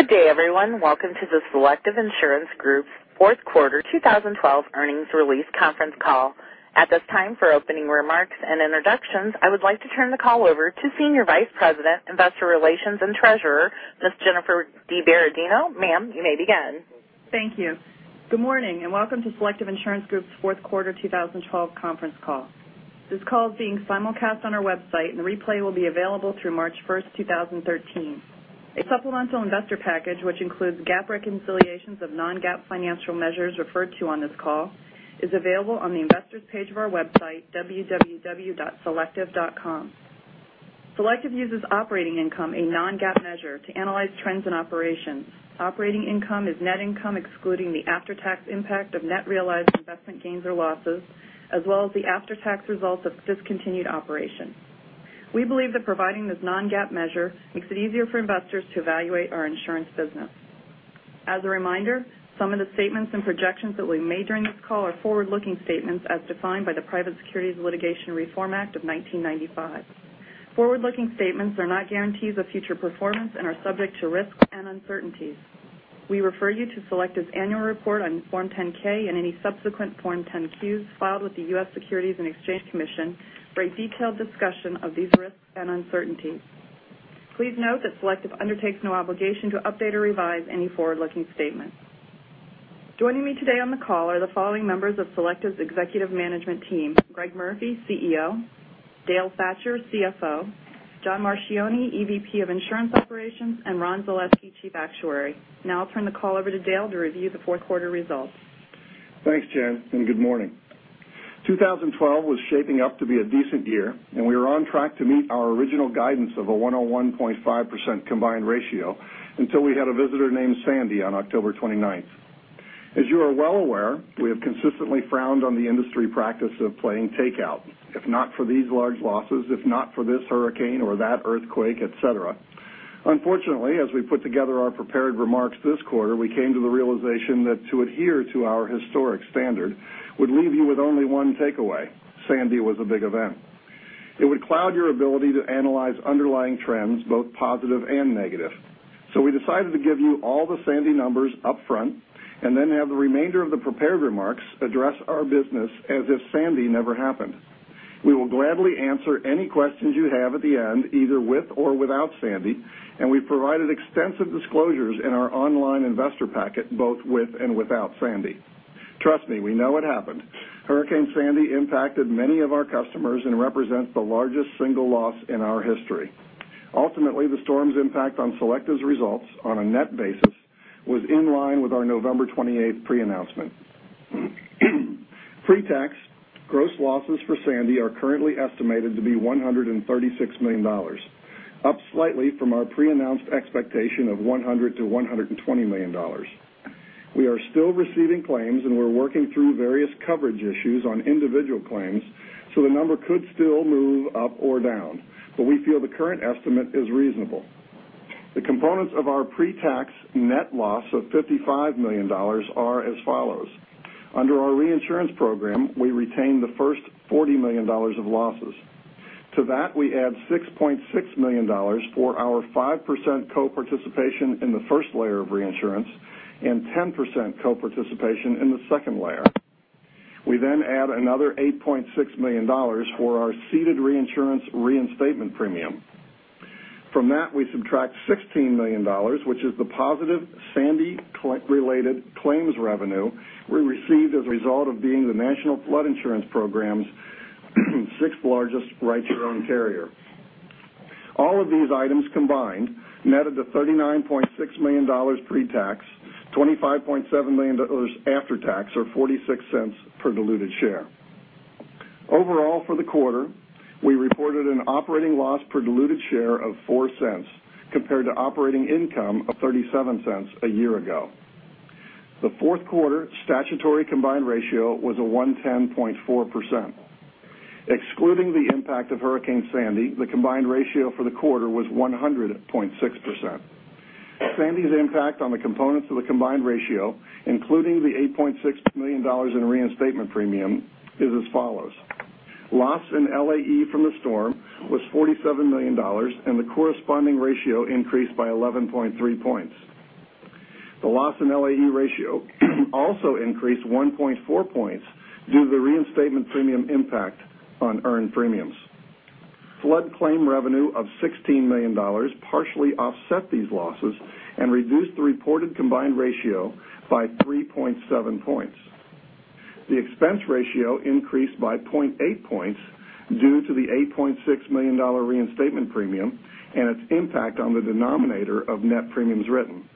Good day, everyone. Welcome to the Selective Insurance Group's fourth quarter 2012 earnings release conference call. At this time, for opening remarks and introductions, I would like to turn the call over to Senior Vice President, Investor Relations and Treasurer, Ms. Jennifer DiBerardino. Ma'am, you may begin. Thank you. Good morning. Welcome to Selective Insurance Group's fourth quarter 2012 conference call. This call is being simulcast on our website. The replay will be available through March 1st, 2013. A supplemental investor package, which includes GAAP reconciliations of non-GAAP financial measures referred to on this call, is available on the investor's page of our website, www.selective.com. Selective uses operating income, a non-GAAP measure, to analyze trends and operations. Operating income is net income excluding the after-tax impact of net realized investment gains or losses, as well as the after-tax results of discontinued operations. We believe that providing this non-GAAP measure makes it easier for investors to evaluate our insurance business. As a reminder, some of the statements and projections that we made during this call are forward-looking statements as defined by the Private Securities Litigation Reform Act of 1995. Forward-looking statements are not guarantees of future performance and are subject to risks and uncertainties. We refer you to Selective's annual report on Form 10-K and any subsequent Form 10-Qs filed with the U.S. Securities and Exchange Commission for a detailed discussion of these risks and uncertainties. Please note that Selective undertakes no obligation to update or revise any forward-looking statements. Joining me today on the call are the following members of Selective's executive management team, Greg Murphy, CEO, Dale Thatcher, CFO, John Marchioni, EVP of Insurance Operations, and Ron Zaleski, Chief Actuary. Now I'll turn the call over to Dale to review the fourth quarter results. Thanks, Jen. Good morning. 2012 was shaping up to be a decent year, and we were on track to meet our original guidance of a 101.5% combined ratio until we had a visitor named Sandy on October 29th. As you are well aware, we have consistently frowned on the industry practice of playing takeout. If not for these large losses, if not for this hurricane or that earthquake, et cetera. Unfortunately, as we put together our prepared remarks this quarter, we came to the realization that to adhere to our historic standard would leave you with only one takeaway, Sandy was a big event. It would cloud your ability to analyze underlying trends, both positive and negative. We decided to give you all the Sandy numbers up front and then have the remainder of the prepared remarks address our business as if Sandy never happened. We will gladly answer any questions you have at the end, either with or without Sandy. We've provided extensive disclosures in our online investor packet, both with and without Sandy. Trust me, we know it happened. Hurricane Sandy impacted many of our customers and represents the largest single loss in our history. Ultimately, the storm's impact on Selective's results on a net basis was in line with our November 28th pre-announcement. Pre-tax gross losses for Sandy are currently estimated to be $136 million, up slightly from our pre-announced expectation of $100 million-$120 million. We are still receiving claims. We're working through various coverage issues on individual claims. The number could still move up or down, but we feel the current estimate is reasonable. The components of our pre-tax net loss of $55 million are as follows. Under our reinsurance program, we retain the first $40 million of losses. To that, we add $6.6 million for our 5% co-participation in the first layer of reinsurance and 10% co-participation in the second layer. We add another $8.6 million for our ceded reinsurance reinstatement premium. We subtract $16 million, which is the positive Sandy-related claims revenue we received as a result of being the National Flood Insurance Program's sixth-largest write-your-own carrier. All of these items combined netted to $39.6 million pre-tax, $25.7 million after tax, or $0.46 per diluted share. Overall, for the quarter, we reported an operating loss per diluted share of $0.04 compared to operating income of $0.37 a year ago. The fourth quarter statutory combined ratio was 110.4%. Excluding the impact of Hurricane Sandy, the combined ratio for the quarter was 100.6%. Sandy's impact on the components of the combined ratio, including the $8.6 million in reinstatement premium, is as follows. Loss in LAE from the storm was $47 million. The corresponding ratio increased by 11.3 points. The loss in LAE ratio also increased 1.4 points due to the reinstatement premium impact on earned premiums. Flood claim revenue of $16 million partially offset these losses and reduced the reported combined ratio by 3.7 points. The expense ratio increased by 0.8 points due to the $8.6 million reinstatement premium and its impact on the denominator of net premiums written.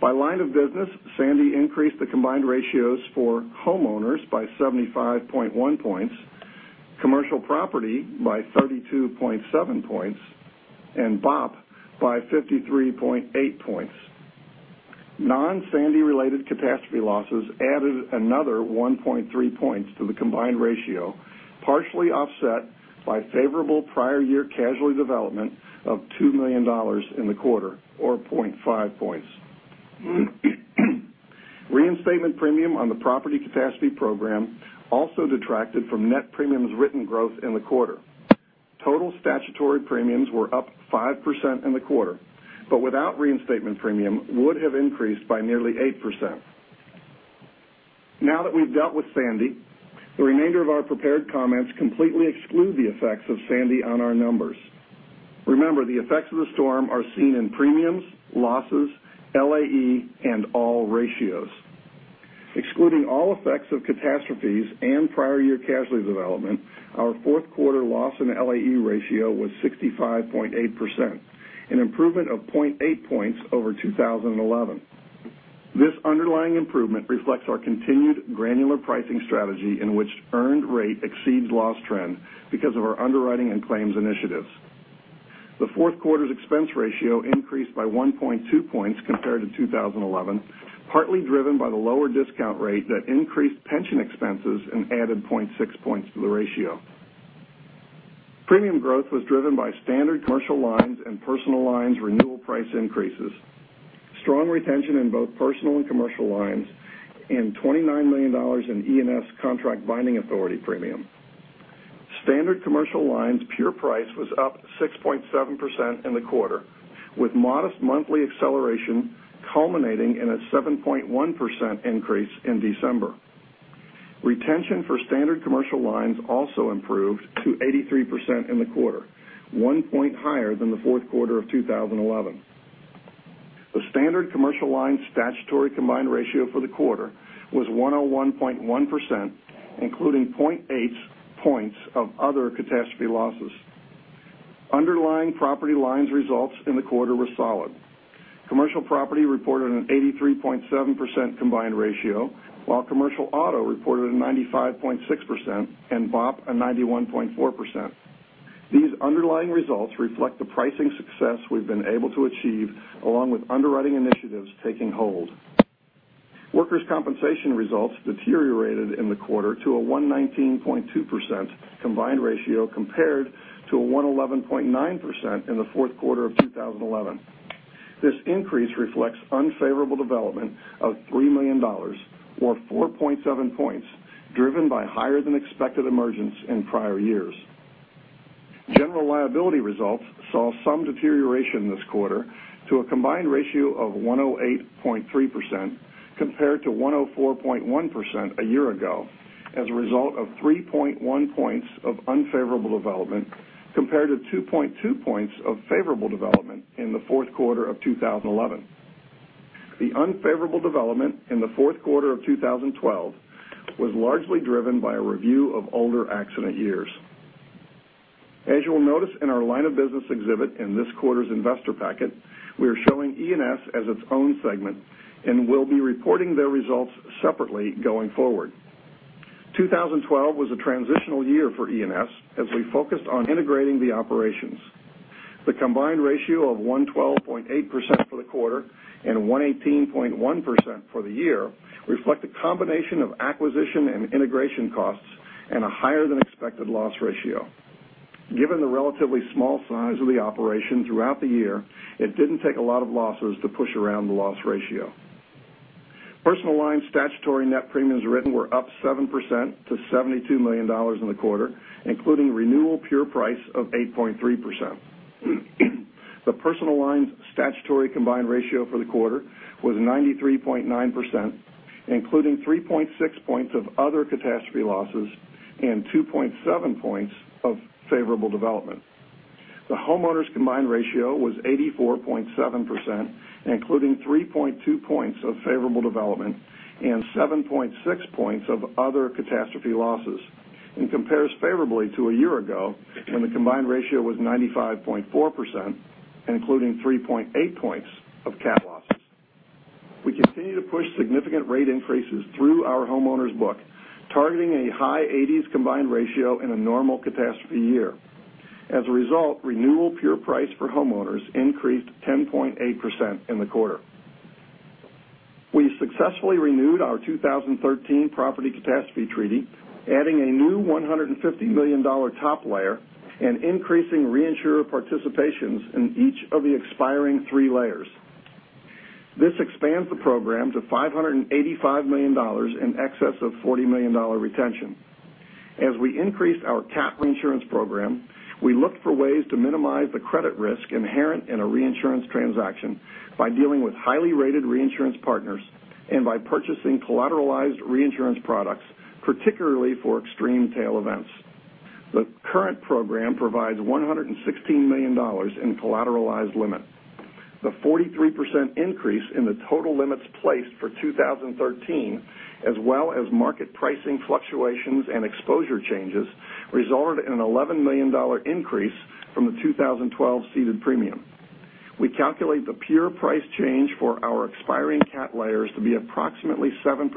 By line of business, Sandy increased the combined ratios for homeowners by 75.1 points, Commercial Property by 32.7 points, and BOP by 53.8 points. Non-Sandy related catastrophe losses added another 1.3 points to the combined ratio, partially offset by favorable prior year casualty development of $2 million in the quarter, or 0.5 points. Reinstatement premium on the property capacity program also detracted from net premiums written growth in the quarter. Total statutory premiums were up 5% in the quarter. Without reinstatement premium, would have increased by nearly 8%. Now that we've dealt with Sandy, the remainder of our prepared comments completely exclude the effects of Sandy on our numbers. Remember, the effects of the storm are seen in premiums, losses, LAE, and all ratios. Excluding all effects of catastrophes and prior year casualty development, our fourth quarter loss and LAE ratio was 65.8%, an improvement of 0.8 points over 2011. This underlying improvement reflects our continued granular pricing strategy in which earned rate exceeds loss trend because of our underwriting and claims initiatives. The fourth quarter's expense ratio increased by 1.2 points compared to 2011, partly driven by the lower discount rate that increased pension expenses and added 0.6 points to the ratio. Premium growth was driven by Standard Commercial Lines and Personal Lines renewal price increases, strong retention in both Personal Lines and Commercial Lines, and $29 million in E&S contract binding authority premium. Standard Commercial Lines pure price was up 6.7% in the quarter, with modest monthly acceleration culminating in a 7.1% increase in December. Retention for Standard Commercial Lines also improved to 83% in the quarter, one point higher than the fourth quarter of 2011. The Standard Commercial Lines statutory combined ratio for the quarter was 101.1%, including 0.8 points of other catastrophe losses. Underlying property lines results in the quarter were solid. Commercial Property reported an 83.7% combined ratio, while Commercial Auto reported a 95.6% and BOP a 91.4%. These underlying results reflect the pricing success we've been able to achieve, along with underwriting initiatives taking hold. Workers' Compensation results deteriorated in the quarter to a 119.2% combined ratio compared to a 111.9% in the fourth quarter of 2011. This increase reflects unfavorable development of $3 million, or 4.7 points, driven by higher than expected emergence in prior years. General Liability results saw some deterioration this quarter to a combined ratio of 108.3% compared to 104.1% a year ago as a result of 3.1 points of unfavorable development, compared to 2.2 points of favorable development in the fourth quarter of 2011. The unfavorable development in the fourth quarter of 2012 was largely driven by a review of older accident years. As you'll notice in our line of business exhibit in this quarter's investor packet, we are showing E&S as its own segment, and we'll be reporting their results separately going forward. 2012 was a transitional year for E&S as we focused on integrating the operations. The combined ratio of 112.8% for the quarter and 118.1% for the year reflect a combination of acquisition and integration costs and a higher than expected loss ratio. Given the relatively small size of the operation throughout the year, it didn't take a lot of losses to push around the loss ratio. Personal Lines statutory net premiums written were up 7% to $72 million in the quarter, including renewal pure price of 8.3%. The Personal Lines statutory combined ratio for the quarter was 93.9%, including 3.6 points of other catastrophe losses and 2.7 points of favorable development. The homeowners combined ratio was 84.7%, including 3.2 points of favorable development and 7.6 points of other catastrophe losses, and compares favorably to a year ago when the combined ratio was 95.4%, including 3.8 points of cat losses. We continue to push significant rate increases through our homeowners book, targeting a high 80s combined ratio in a normal catastrophe year. As a result, renewal pure price for homeowners increased 10.8% in the quarter. We successfully renewed our 2013 property catastrophe treaty, adding a new $150 million top layer and increasing reinsurer participations in each of the expiring three layers. This expands the program to $585 million in excess of $40 million retention. As we increased our cat reinsurance program, we looked for ways to minimize the credit risk inherent in a reinsurance transaction by dealing with highly rated reinsurance partners and by purchasing collateralized reinsurance products, particularly for extreme tail events. The current program provides $116 million in collateralized limit. The 43% increase in the total limits placed for 2013, as well as market pricing fluctuations and exposure changes, resulted in an $11 million increase from the 2012 ceded premium. We calculate the pure price change for our expiring cat layers to be approximately 7%,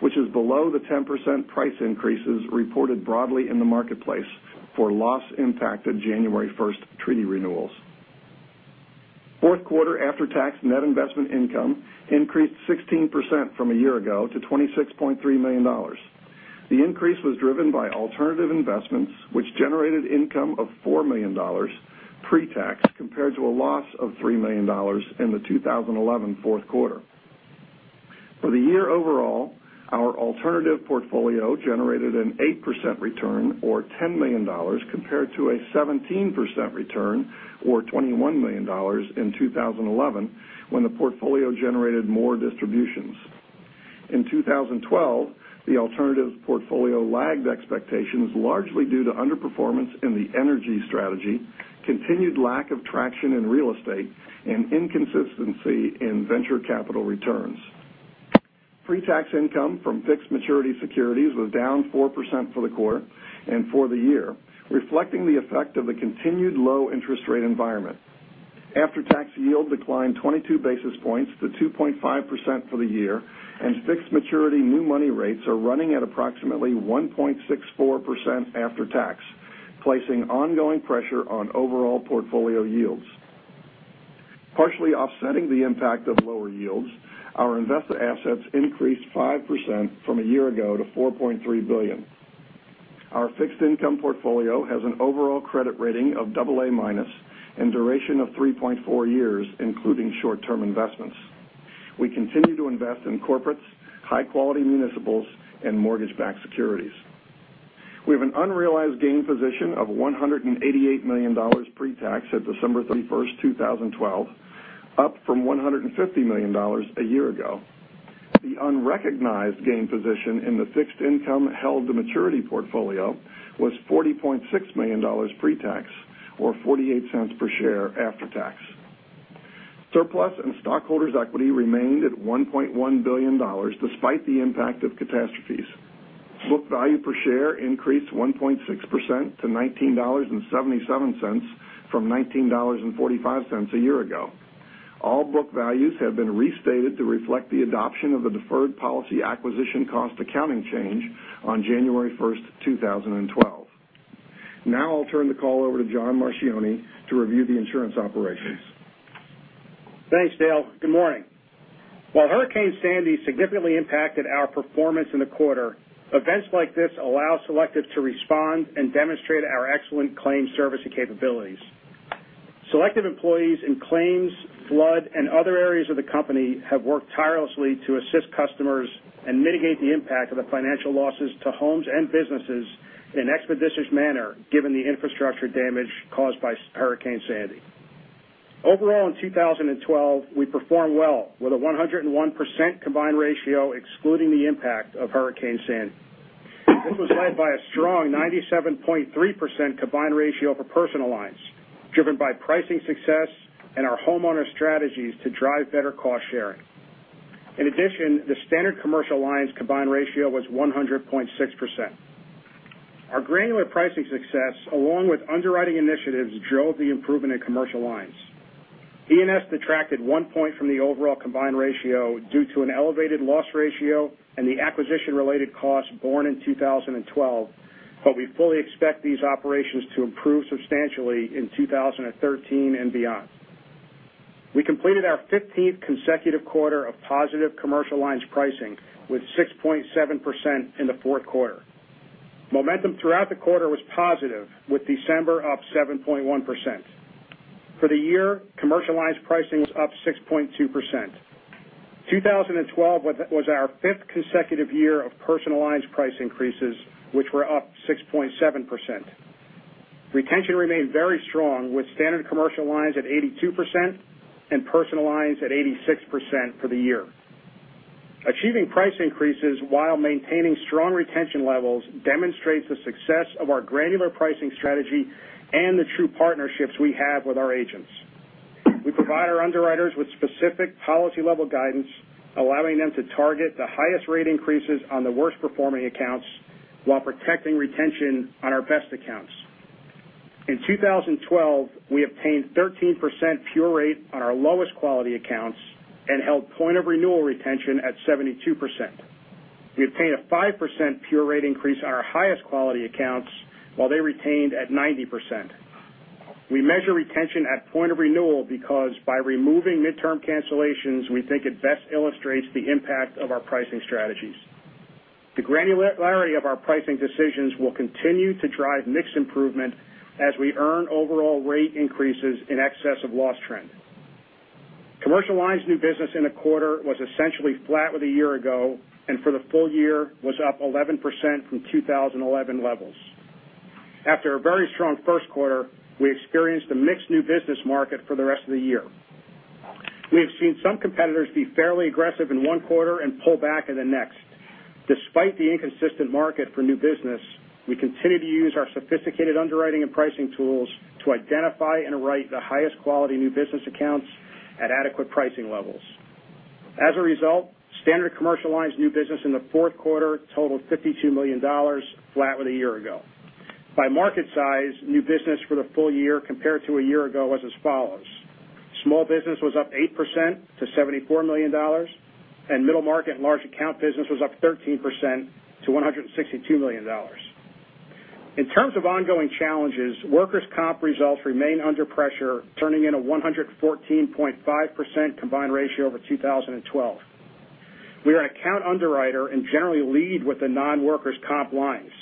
which is below the 10% price increases reported broadly in the marketplace for loss-impacted January 1st treaty renewals. Fourth quarter after-tax net investment income increased 16% from a year ago to $26.3 million. The increase was driven by alternative investments, which generated income of $4 million pre-tax, compared to a loss of $3 million in the 2011 fourth quarter. For the year overall, our alternative portfolio generated an 8% return or $10 million compared to a 17% return or $21 million in 2011, when the portfolio generated more distributions. In 2012, the alternatives portfolio lagged expectations largely due to underperformance in the energy strategy, continued lack of traction in real estate, and inconsistency in venture capital returns. Pre-tax income from fixed maturity securities was down 4% for the quarter and for the year, reflecting the effect of the continued low interest rate environment. After-tax yield declined 22 basis points to 2.5% for the year, and fixed maturity new money rates are running at approximately 1.64% after tax, placing ongoing pressure on overall portfolio yields. Partially offsetting the impact of lower yields, our invested assets increased 5% from a year ago to $4.3 billion. Our fixed income portfolio has an overall credit rating of double A minus and duration of 3.4 years, including short-term investments. We continue to invest in corporates, high-quality municipals, and mortgage-backed securities. We have an unrealized gain position of $188 million pre-tax at December 31st, 2012, up from $150 million a year ago. The unrecognized gain position in the fixed income held the maturity portfolio was $40.6 million pre-tax, or $0.48 per share after tax. Surplus and stockholders' equity remained at $1.1 billion, despite the impact of catastrophes. Book value per share increased 1.6% to $19.77 from $19.45 a year ago. All book values have been restated to reflect the adoption of the deferred policy acquisition cost accounting change on January 1st, 2012. Now I'll turn the call over to John Marchioni to review the insurance operations. Thanks, Dale. Good morning. While Hurricane Sandy significantly impacted our performance in the quarter, events like this allow Selective to respond and demonstrate our excellent claims servicing capabilities. Selective employees in claims, flood, and other areas of the company have worked tirelessly to assist customers and mitigate the impact of the financial losses to homes and businesses in an expeditious manner given the infrastructure damage caused by Hurricane Sandy. Overall, in 2012, we performed well with a 101% combined ratio excluding the impact of Hurricane Sandy. This was led by a strong 97.3% combined ratio for personal lines, driven by pricing success and our homeowner strategies to drive better cost sharing. In addition, the standard commercial lines combined ratio was 100.6%. Our granular pricing success, along with underwriting initiatives, drove the improvement in commercial lines. E&S detracted one point from the overall combined ratio due to an elevated loss ratio and the acquisition-related costs borne in 2012. We fully expect these operations to improve substantially in 2013 and beyond. We completed our 15th consecutive quarter of positive commercial lines pricing with 6.7% in the fourth quarter. Momentum throughout the quarter was positive, with December up 7.1%. For the year, commercial lines pricing was up 6.2%. 2012 was our fifth consecutive year of personal lines price increases, which were up 6.7%. Retention remained very strong with standard commercial lines at 82% and personal lines at 86% for the year. Achieving price increases while maintaining strong retention levels demonstrates the success of our granular pricing strategy and the true partnerships we have with our agents. We provide our underwriters with specific policy-level guidance, allowing them to target the highest rate increases on the worst-performing accounts while protecting retention on our best accounts. In 2012, we obtained 13% pure rate on our lowest quality accounts and held point of renewal retention at 72%. We obtained a 5% pure rate increase on our highest quality accounts while they retained at 90%. We measure retention at point of renewal because by removing midterm cancellations, we think it best illustrates the impact of our pricing strategies. The granularity of our pricing decisions will continue to drive mixed improvement as we earn overall rate increases in excess of loss trend. Commercial lines new business in the quarter was essentially flat with a year ago, and for the full year was up 11% from 2011 levels. After a very strong first quarter, we experienced a mixed new business market for the rest of the year. We have seen some competitors be fairly aggressive in one quarter and pull back in the next. Despite the inconsistent market for new business, we continue to use our sophisticated underwriting and pricing tools to identify and write the highest quality new business accounts at adequate pricing levels. As a result, standard commercial lines new business in the fourth quarter totaled $52 million, flat with a year ago. By market size, new business for the full year compared to a year ago was as follows: small business was up 8% to $74 million, and middle market and large account business was up 13% to $162 million. In terms of ongoing challenges, workers' comp results remain under pressure, turning in a 114.5% combined ratio over 2012. We are an account underwriter and generally lead with the non-Workers' Comp lines.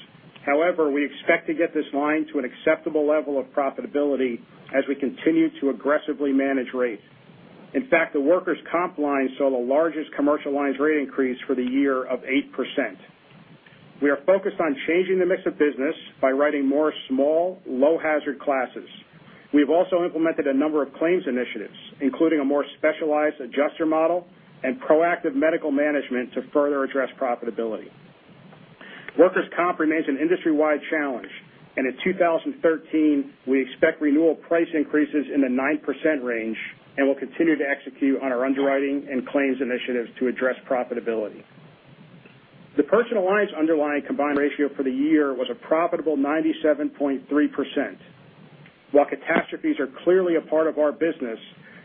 However, we expect to get this line to an acceptable level of profitability as we continue to aggressively manage rate. In fact, the Workers' Comp line saw the largest Commercial Lines rate increase for the year of 8%. We are focused on changing the mix of business by writing more small, low hazard classes. We've also implemented a number of claims initiatives, including a more specialized adjuster model and proactive medical management to further address profitability. Workers' Comp remains an industry-wide challenge, and in 2013, we expect renewal price increases in the 9% range, and we'll continue to execute on our underwriting and claims initiatives to address profitability. The Personal Lines underlying combined ratio for the year was a profitable 97.3%. While catastrophes are clearly a part of our business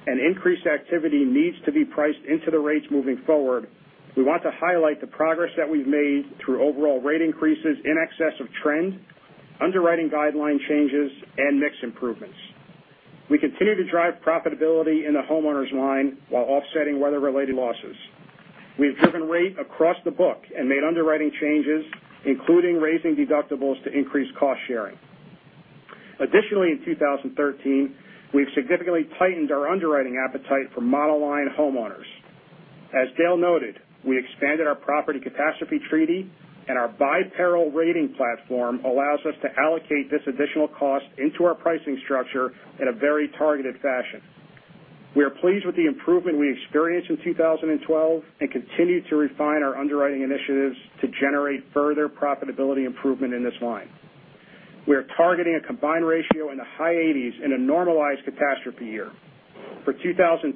and increased activity needs to be priced into the rates moving forward, we want to highlight the progress that we've made through overall rate increases in excess of trend, underwriting guideline changes, and mix improvements. We continue to drive profitability in the Homeowners line while offsetting weather related losses. We've driven rate across the book and made underwriting changes, including raising deductibles to increase cost sharing. Additionally, in 2013, we've significantly tightened our underwriting appetite for monoline Homeowners. As Dale noted, we expanded our property catastrophe treaty and our by-peril rating platform allows us to allocate this additional cost into our pricing structure in a very targeted fashion. We are pleased with the improvement we experienced in 2012 and continue to refine our underwriting initiatives to generate further profitability improvement in this line. We are targeting a combined ratio in the high 80s in a normalized catastrophe year. For 2012,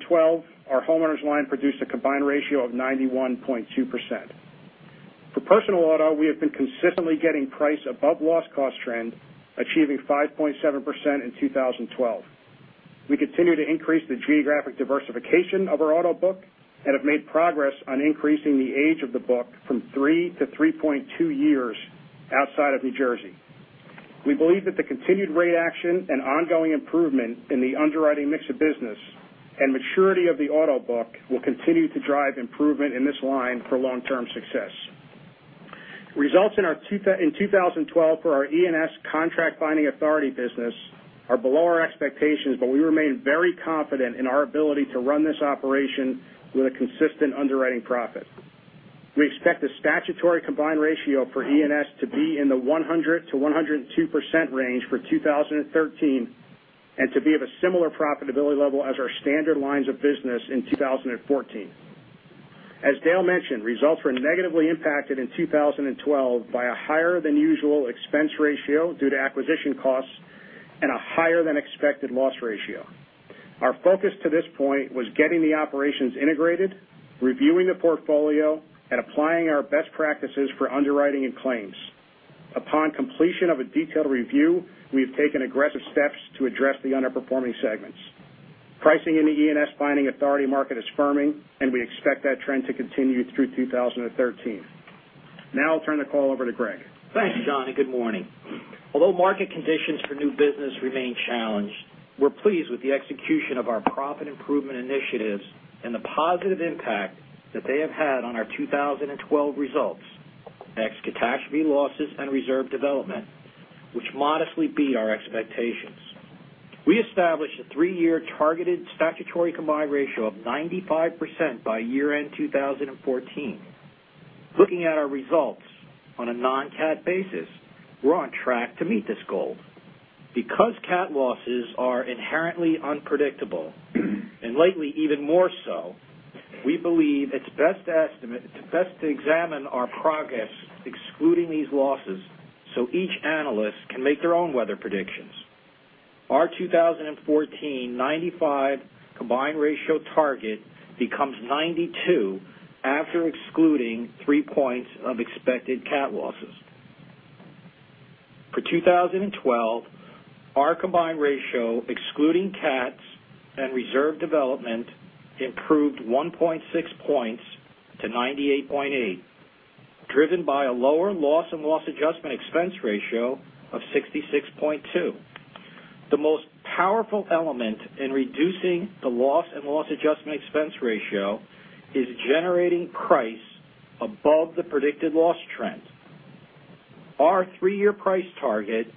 our Homeowners line produced a combined ratio of 91.2%. For Personal Auto, we have been consistently getting price above loss cost trend, achieving 5.7% in 2012. We continue to increase the geographic diversification of our auto book and have made progress on increasing the age of the book from 3 to 3.2 years outside of New Jersey. We believe that the continued rate action and ongoing improvement in the underwriting mix of business and maturity of the auto book will continue to drive improvement in this line for long-term success. Results in 2012 for our E&S contract binding authority business are below our expectations, but we remain very confident in our ability to run this operation with a consistent underwriting profit. We expect the statutory combined ratio for E&S to be in the 100%-102% range for 2013 and to be of a similar profitability level as our Standard Lines of business in 2014. As Dale mentioned, results were negatively impacted in 2012 by a higher than usual expense ratio due to acquisition costs and a higher than expected loss ratio. Our focus to this point was getting the operations integrated, reviewing the portfolio, and applying our best practices for underwriting and claims. Upon completion of a detailed review, we have taken aggressive steps to address the underperforming segments. Pricing in the E&S binding authority market is firming, and we expect that trend to continue through 2013. Now I'll turn the call over to Greg. Thanks, John, and good morning. Although market conditions for new business remain challenged, we're pleased with the execution of our profit improvement initiatives and the positive impact that they have had on our 2012 results, ex catastrophe losses and reserve development, which modestly beat our expectations. We established a three-year targeted statutory combined ratio of 95% by year-end 2014. Looking at our results on a non-cat basis, we're on track to meet this goal. Because cat losses are inherently unpredictable, and lately even more so, we believe it's best to examine our progress excluding these losses so each analyst can make their own weather predictions. Our 2014 95 combined ratio target becomes 92 after excluding three points of expected cat losses. For 2012, our combined ratio, excluding cats and reserve development, improved 1.6 points to 98.8, driven by a lower loss and loss adjustment expense ratio of 66.2. The most powerful element in reducing the loss and loss adjustment expense ratio is generating price above the predicted loss trend. Our three-year price target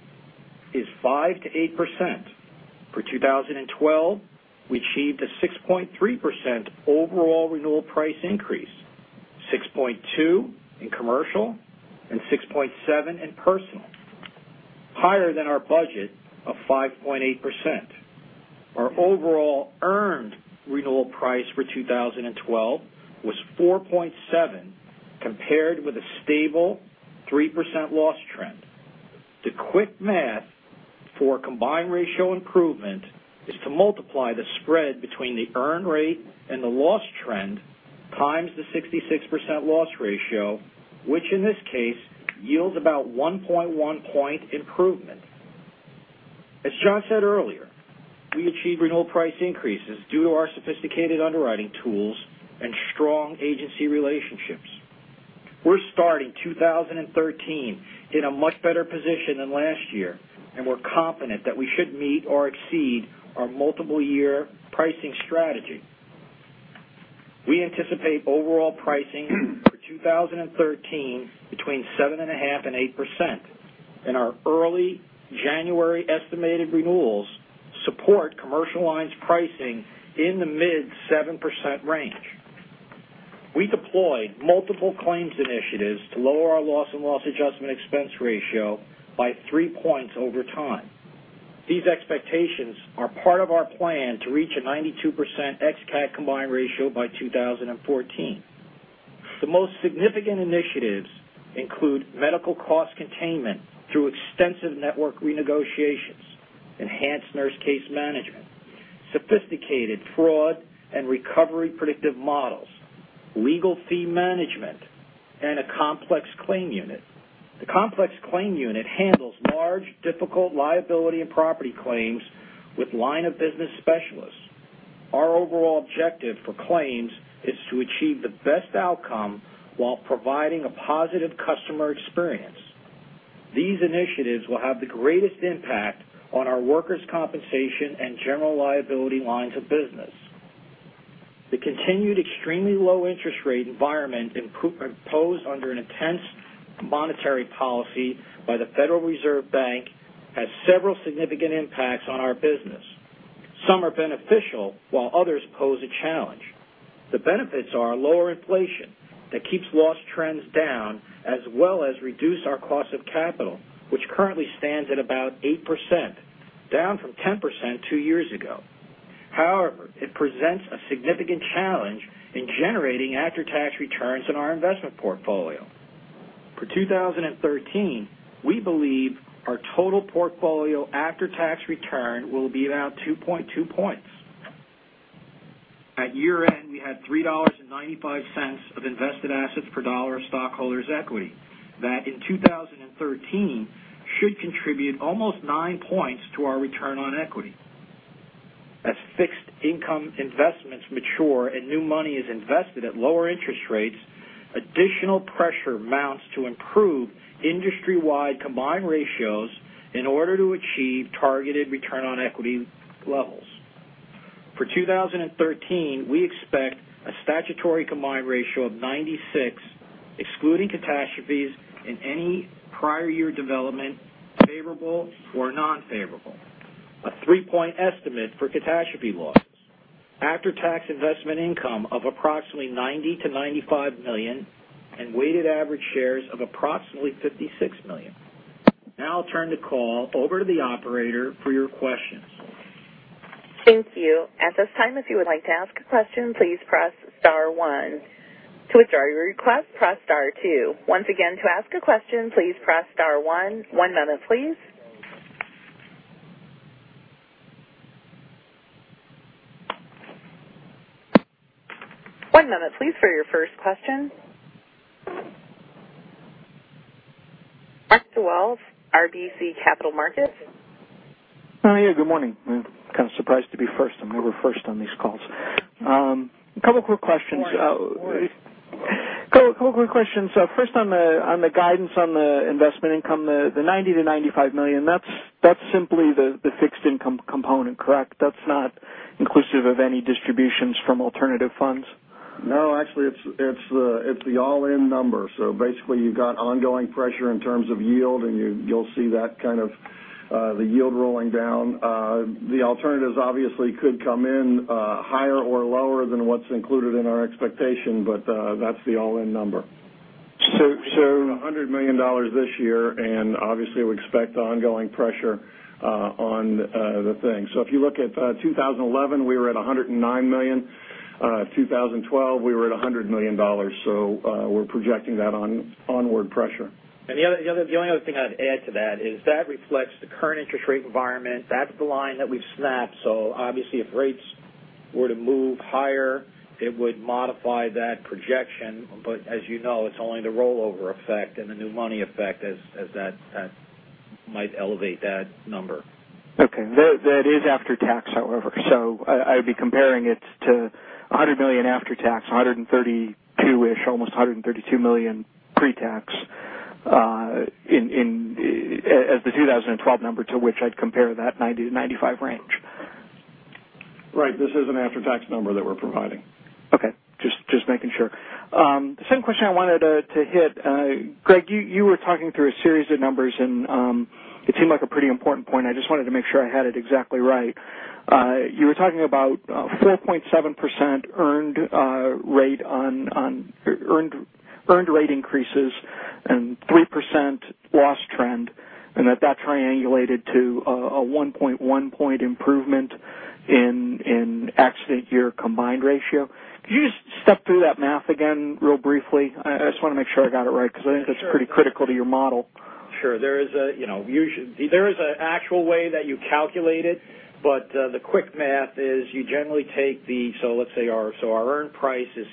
is 5% to 8%. For 2012, we achieved a 6.3% overall renewal price increase, 6.2% in commercial and 6.7% in personal, higher than our budget of 5.8%. Our overall earned renewal price for 2012 was 4.7%, compared with a stable 3% loss trend. The quick math for a combined ratio improvement is to multiply the spread between the earn rate and the loss trend times the 66% loss ratio, which in this case yields about 1.1 point improvement. As John said earlier, we achieve renewal price increases due to our sophisticated underwriting tools and strong agency relationships. We're starting 2013 in a much better position than last year, and we're confident that we should meet or exceed our multiple-year pricing strategy. We anticipate overall pricing for 2013 between 7.5% and 8%, and our early January estimated renewals support Commercial Lines pricing in the mid-7% range. We deployed multiple claims initiatives to lower our loss and loss adjustment expense ratio by three points over time. These expectations are part of our plan to reach a 92% ex-cat combined ratio by 2014. The most significant initiatives include medical cost containment through extensive network renegotiations, enhanced nurse case management, sophisticated fraud and recovery predictive models, legal fee management, and a complex claim unit. The complex claim unit handles large, difficult liability and property claims with line of business specialists. Our overall objective for claims is to achieve the best outcome while providing a positive customer experience. These initiatives will have the greatest impact on our Workers' Compensation and General Liability lines of business. The continued extremely low interest rate environment imposed under an intense monetary policy by the Federal Reserve Bank has several significant impacts on our business. Some are beneficial, while others pose a challenge. The benefits are lower inflation that keeps loss trends down, as well as reduce our cost of capital, which currently stands at about 8%, down from 10% two years ago. However, it presents a significant challenge in generating after-tax returns on our investment portfolio. For 2013, we believe our total portfolio after-tax return will be about 2.2 points. At year-end, we had $3.95 of invested assets per dollar of stockholders' equity that in 2013 should contribute almost nine points to our return on equity. As fixed income investments mature and new money is invested at lower interest rates, additional pressure mounts to improve industry-wide combined ratios in order to achieve targeted return on equity levels. For 2013, we expect a statutory combined ratio of 96, excluding catastrophes in any prior year development, favorable or unfavorable, a three-point estimate for catastrophe losses. After-tax investment income of approximately $90 million-$95 million and weighted average shares of approximately 56 million. Now I'll turn the call over to the operator for your questions. Thank you. At this time, if you would like to ask a question, please press star one. To withdraw your request, press star two. Once again, to ask a question, please press star one. One moment, please. One moment, please, for your first question. Mark Dwelle, RBC Capital Markets. Good morning. I'm kind of surprised to be first. I'm never first on these calls. A couple quick questions. Of course. A couple of quick questions. First, on the guidance on the investment income, the $90 million-$95 million, that's simply the fixed income component, correct? That's not inclusive of any distributions from alternative funds? Actually, it's the all-in number. Basically, you've got ongoing pressure in terms of yield, and you'll see the yield rolling down. The alternatives obviously could come in higher or lower than what's included in our expectation, that's the all-in number. So- $100 million this year, obviously, we expect ongoing pressure on the thing. If you look at 2011, we were at $109 million. 2012, we were at $100 million. We're projecting that onward pressure. The only other thing I'd add to that is that reflects the current interest rate environment. That's the line that we've snapped. Obviously, if rates were to move higher, it would modify that projection. As you know, it's only the rollover effect and the new money effect as that might elevate that number. Okay. That is after tax, however, I'd be comparing it to $100 million after tax, 132-ish, almost $132 million pre-tax as the 2012 number to which I'd compare that $90 million-$95 million range. Right. This is an after-tax number that we're providing. Okay. Just making sure. Second question I wanted to hit. Greg, you were talking through a series of numbers, and it seemed like a pretty important point. I just wanted to make sure I had it exactly right. You were talking about 4.7% earned rate increases and 3% loss trend, and that triangulated to a 1.1 point improvement in accident year combined ratio. Could you just step through that math again real briefly? I just want to make sure I got it right because I think that's pretty critical to your model. Sure. There is an actual way that you calculate it, but the quick math is you generally take the, so let's say our earned price is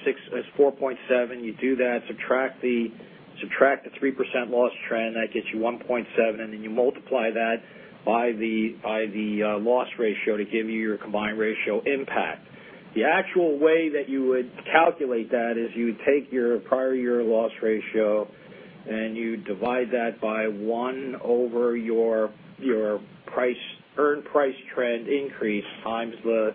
4.7. You do that, subtract the 3% loss trend, that gets you 1.7, then you multiply that by the loss ratio to give you your combined ratio impact. The actual way that you would calculate that is you would take your prior year loss ratio, and you divide that by one over your earned price trend increase times the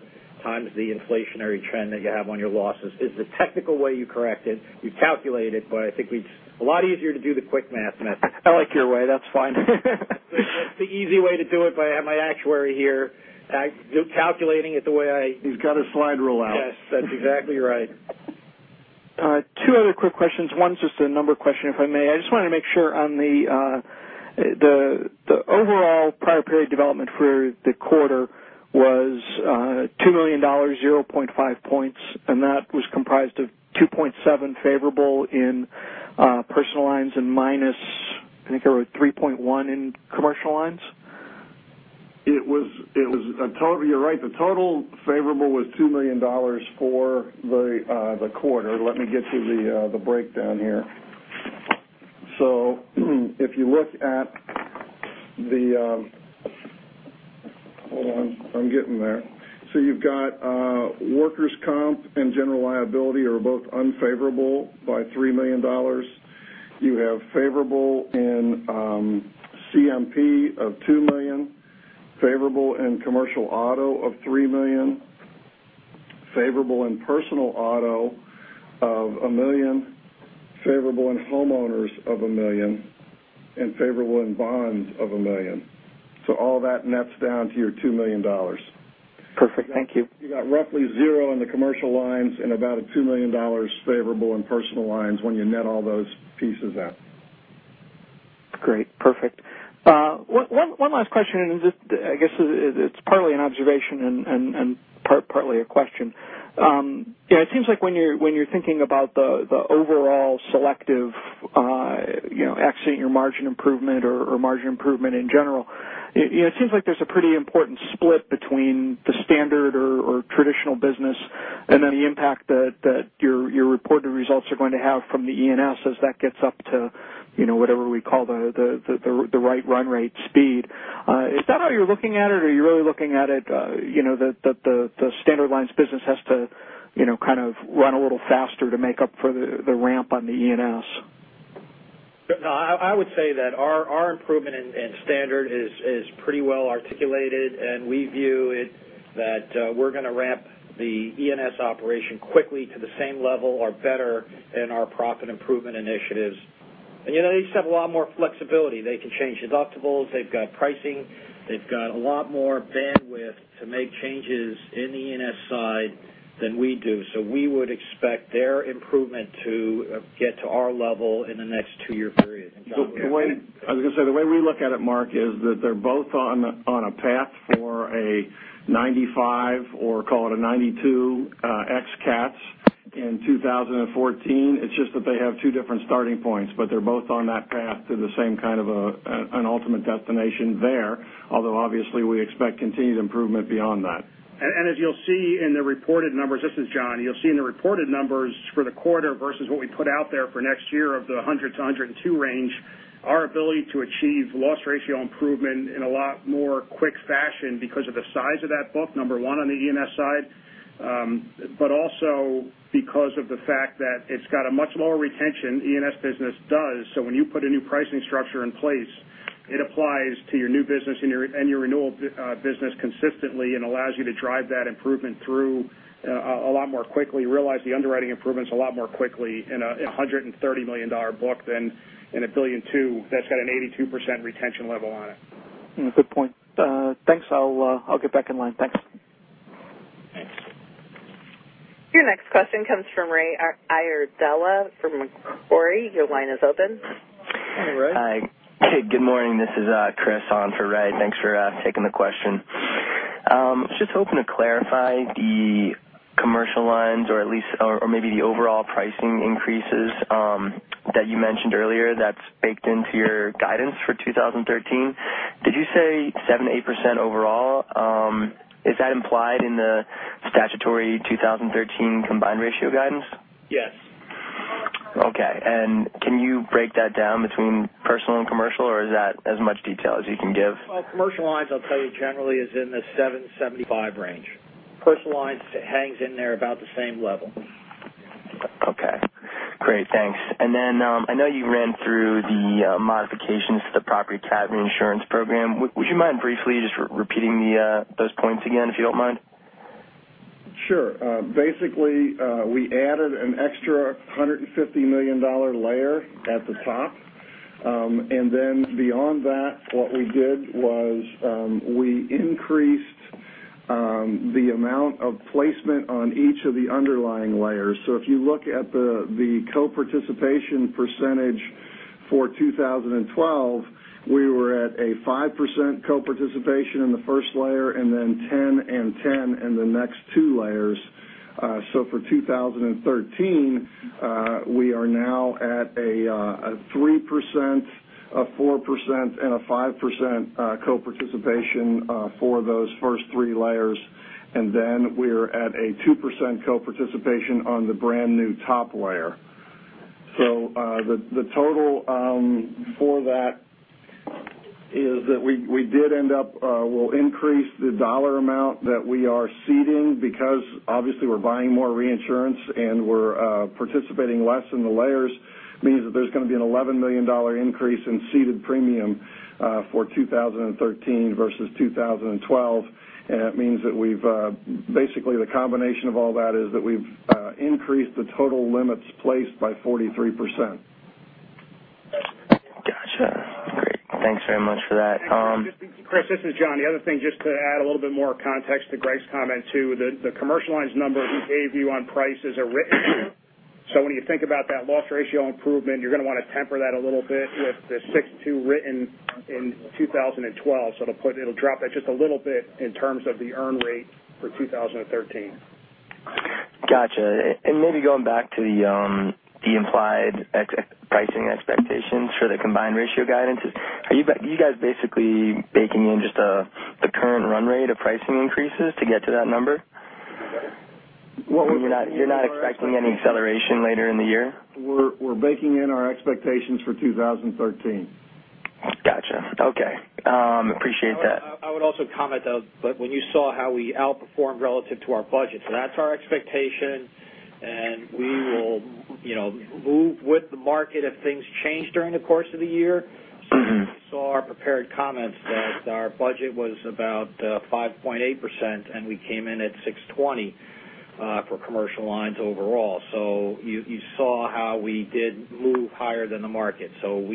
inflationary trend that you have on your losses. It's the technical way you calculate it, but I think it's a lot easier to do the quick math method. I like your way. That's fine. That's the easy way to do it, but I have my actuary here calculating it. He's got his slide rule out. Yes, that's exactly right. Two other quick questions, one's just a number question, if I may. I just want to make sure on the overall prior period development for the quarter was $2 million, 0.5 points, and that was comprised of 2.7 favorable in Personal Lines and minus, I think it was 3.1 in Commercial Lines? You're right. The total favorable was $2 million for the quarter. Let me get you the breakdown here. If you look at the Hold on. I'm getting there. You've got workers' comp and General Liability are both unfavorable by $3 million. You have favorable in CMP of $2 million, favorable in Commercial Auto of $3 million, favorable in personal auto of $1 million, favorable in homeowners of $1 million, and favorable in bonds of $1 million. All that nets down to your $2 million. Perfect. Thank you. You got roughly zero in the Commercial Lines and about a $2 million favorable in Personal Lines when you net all those pieces out. Great, perfect. One last question, I guess it's partly an observation and partly a question. It seems like when you're thinking about the overall Selective accenting your margin improvement or margin improvement in general, it seems like there's a pretty important split between the standard or traditional business and then the impact that your reported results are going to have from the E&S as that gets up to whatever we call the right run rate speed. Is that how you're looking at it, or are you really looking at it that the standard lines business has to kind of run a little faster to make up for the ramp on the E&S? No, I would say that our improvement in standard is pretty well articulated, we view it that we're going to ramp the E&S operation quickly to the same level or better in our profit improvement initiatives. These have a lot more flexibility. They can change deductibles. They've got pricing. They've got a lot more bandwidth to make changes in the E&S side than we do. We would expect their improvement to get to our level in the next two-year period. John can- I was going to say, the way we look at it, Mark, is that they're both on a path for a 95 or call it a 92 ex cats in 2014. It's just that they have two different starting points, they're both on that path to the same kind of an ultimate destination there. Obviously, we expect continued improvement beyond that. As you'll see in the reported numbers, this is John, you'll see in the reported numbers for the quarter versus what we put out there for next year of the 100 to 102 range, our ability to achieve loss ratio improvement in a lot more quick fashion because of the size of that book, number one on the E&S side. Also because of the fact that it's got a much lower retention, E&S business does. When you put a new pricing structure in place, it applies to your new business and your renewal business consistently and allows you to drive that improvement through a lot more quickly, realize the underwriting improvements a lot more quickly in a $130 million book than in a $1.2 billion that's got an 82% retention level on it. Good point. Thanks. I'll get back in line. Thanks. Thanks. Your next question comes from Ray Iardella from Macquarie. Your line is open. Hey, Ray. Hi. Good morning. This is Chris on for Ray. Thanks for taking the question. Just hoping to clarify the commercial lines or maybe the overall pricing increases that you mentioned earlier that's baked into your guidance for 2013. Did you say 7%-8% overall? Is that implied in the statutory 2013 combined ratio guidance? Yes. Okay. Can you break that down between personal and commercial, or is that as much detail as you can give? Well, commercial lines, I'll tell you generally is in the 7.75 range. Personal lines hangs in there about the same level. Okay. Great. Thanks. I know you ran through the modifications to the property casualty insurance program. Would you mind briefly just repeating those points again, if you don't mind? Sure. Basically, we added an extra $150 million layer at the top. Beyond that, what we did was we increased the amount of placement on each of the underlying layers. If you look at the co-participation percentage for 2012, we were at a 5% co-participation in the first layer and then 10% and 10% in the next two layers. For 2013, we are now at a 3%, a 4%, and a 5% co-participation for those first three layers. We're at a 2% co-participation on the brand-new top layer. The total for that is that we'll increase the dollar amount that we are ceding because obviously we're buying more reinsurance and we're participating less in the layers, means that there's going to be an $11 million increase in ceded premium for 2013 versus 2012. It means that basically the combination of all that is that we've increased the total limits placed by 43%. Got you. Great. Thanks very much for that. Chris, this is John. The other thing, just to add a little bit more context to Greg's comment too, the commercial lines number we gave you on prices are written. When you think about that loss ratio improvement, you're going to want to temper that a little bit with the 6.2 written in 2012. It'll drop that just a little bit in terms of the earn rate for 2013. Got you. Maybe going back to the implied pricing expectations for the combined ratio guidances. Are you guys basically baking in just the current run rate of pricing increases to get to that number? What we- You're not expecting any acceleration later in the year? We're baking in our expectations for 2013. Got you. Okay. Appreciate that. When you saw how we outperformed relative to our budget, that's our expectation and we will move with the market if things change during the course of the year. You saw our prepared comments that our budget was about 5.8%, we came in at 6.2% for Commercial Lines overall. You saw how we did move higher than the market. Well,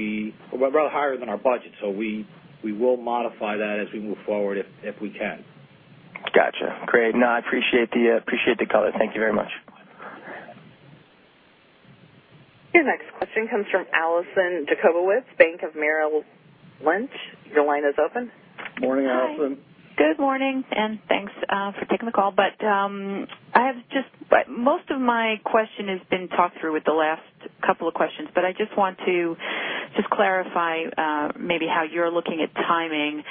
higher than our budget. We will modify that as we move forward if we can. Got you. Great. I appreciate the color. Thank you very much. Your next question comes from Allison Jacobowitz, Bank of Merrill Lynch. Your line is open. Morning, Allison. Good morning, and thanks for taking the call. Most of my question has been talked through with the last couple of questions, I just want to just clarify maybe how you're looking at timing.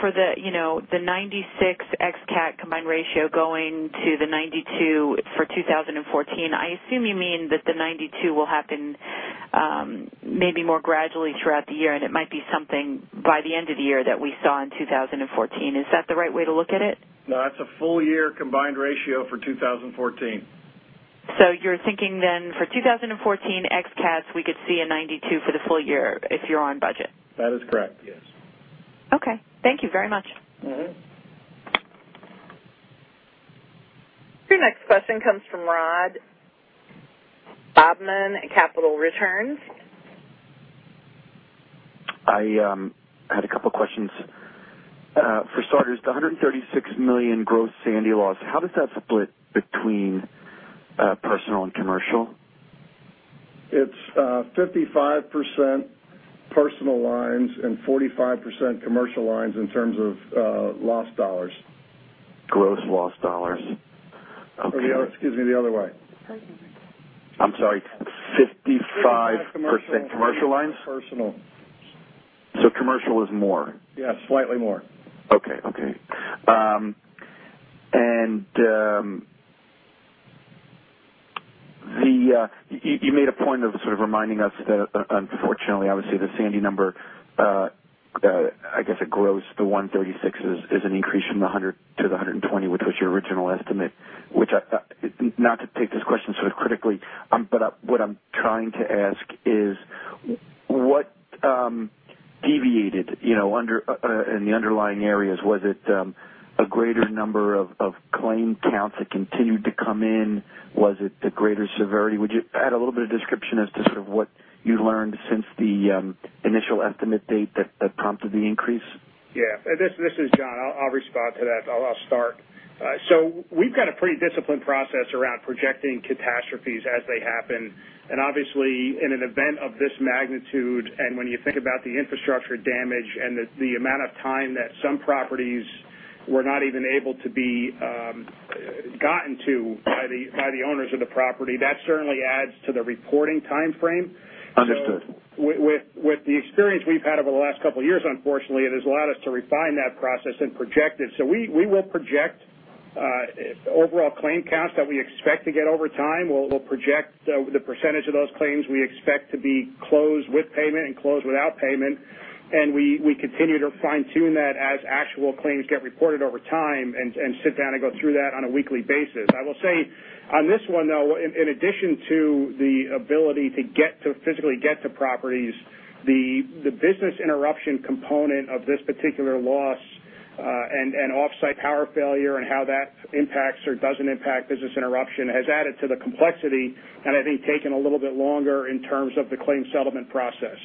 For the 96 ex-cat combined ratio going to the 92 for 2014, I assume you mean that the 92 will happen maybe more gradually throughout the year, and it might be something by the end of the year that we saw in 2014. Is that the right way to look at it? No, that's a full year combined ratio for 2014. You're thinking then for 2014 ex cats, we could see a 92 for the full year if you're on budget? That is correct, yes. Okay. Thank you very much. Your next question comes from Ron Bobman at Capital Returns. I had a couple questions. For starters, the $136 million gross Sandy loss, how does that split between personal and commercial? It's 55% personal lines and 45% commercial lines in terms of loss dollars. Gross loss dollars. Okay. No, excuse me. The other way. I'm sorry, 55% commercial lines? 55 commercial, 45 personal. Commercial is more? Yes, slightly more. Okay. You made a point of sort of reminding us that unfortunately, obviously the Sandy number, I guess it grows to 136 is an increase from the 100 to the 120, which was your original estimate, which, not to take this question sort of critically, but what I'm trying to ask is what deviated in the underlying areas? Was it a greater number of claim counts that continued to come in? Was it the greater severity? Would you add a little bit of description as to sort of what you learned since the initial estimate date that prompted the increase? Yeah. This is John. I'll respond to that. I'll start. We've got a pretty disciplined process around projecting catastrophes as they happen, and obviously in an event of this magnitude, and when you think about the infrastructure damage and the amount of time that some properties were not even able to be gotten to by the owners of the property, that certainly adds to the reporting timeframe. Understood. With the experience we've had over the last couple of years, unfortunately, it has allowed us to refine that process and project it. We will project overall claim counts that we expect to get over time. We'll project the percentage of those claims we expect to be closed with payment and closed without payment. We continue to fine-tune that as actual claims get reported over time and sit down and go through that on a weekly basis. I will say on this one, though, in addition to the ability to physically get to properties, the business interruption component of this particular loss, and offsite power failure and how that impacts or doesn't impact business interruption, has added to the complexity and I think taken a little bit longer in terms of the claim settlement process.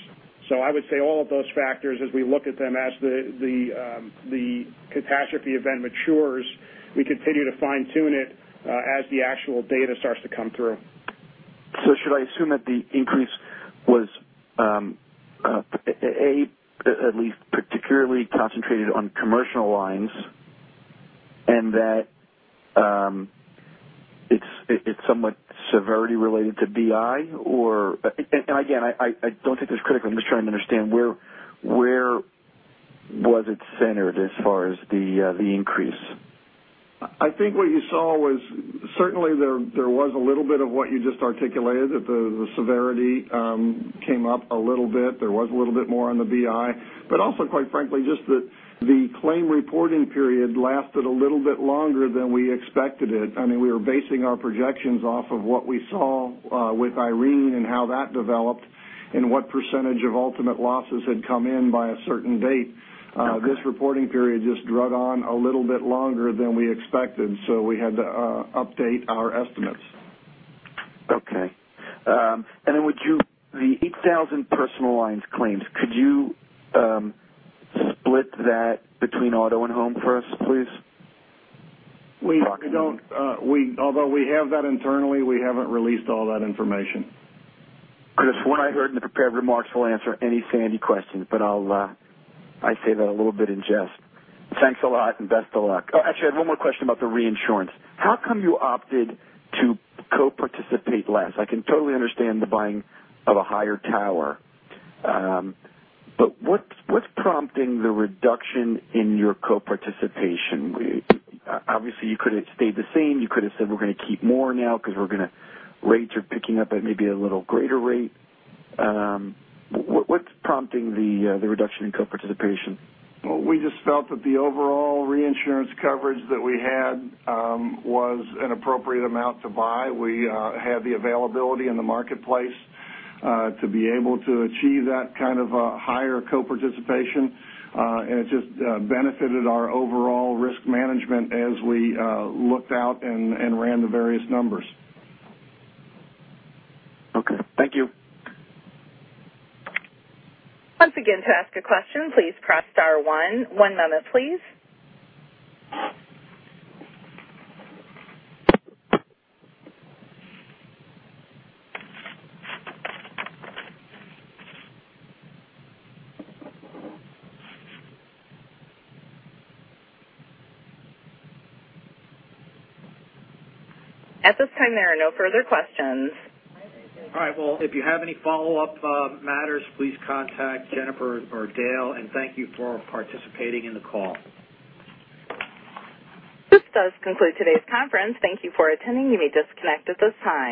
I would say all of those factors as we look at them as the catastrophe event matures, we continue to fine-tune it as the actual data starts to come through. Should I assume that the increase was, A, at least particularly concentrated on Commercial Lines, and that It's somewhat severity related to BI? Again, I don't think this is critical, I'm just trying to understand where was it centered as far as the increase? I think what you saw was certainly there was a little bit of what you just articulated, that the severity came up a little bit. There was a little bit more on the BI. Quite frankly, just that the claim reporting period lasted a little bit longer than we expected it. We were basing our projections off of what we saw with Irene and how that developed, and what percentage of ultimate losses had come in by a certain date. Okay. This reporting period just drug on a little bit longer than we expected. We had to update our estimates. Okay. The 8,000 Personal Lines claims, could you split that between auto and home for us, please? Although we have that internally, we haven't released all that information. Chris, what I heard in the prepared remarks was, "I'll answer any Hurricane Sandy questions," but I say that a little bit in jest. Thanks a lot and best of luck. Oh, actually, I have one more question about the reinsurance. How come you opted to co-participate less? I can totally understand the buying of a higher tower. What's prompting the reduction in your co-participation? Obviously, you could've stayed the same. You could've said, "We're going to keep more now because rates are picking up at maybe a little greater rate." What's prompting the reduction in co-participation? We just felt that the overall reinsurance coverage that we had was an appropriate amount to buy. We had the availability in the marketplace to be able to achieve that kind of a higher co-participation, and it just benefited our overall risk management as we looked out and ran the various numbers. Okay. Thank you. Once again, to ask a question, please press star one. One moment, please. At this time, there are no further questions. All right. Well, if you have any follow-up matters, please contact Jennifer or Dale, and thank you for participating in the call. This does conclude today's conference. Thank you for attending. You may disconnect at this time.